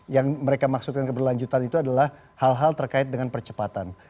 yang mereka maksudkan keberlanjutan itu adalah hal hal terkait dengan percepatan